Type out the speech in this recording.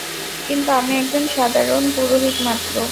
কিন্তু, আমি একজন সাধারণ পুরোহিত মাত্র।